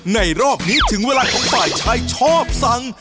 รอบนี้ถึงเวลาของฝ่ายชายชอบสั่ง